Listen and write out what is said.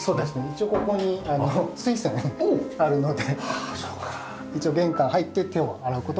一応ここに水洗あるので玄関入って手を洗う事ができたりします。